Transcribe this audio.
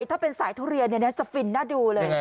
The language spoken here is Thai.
ถ้าเป็นสายทุเรียนจะฟินน่าดูเลย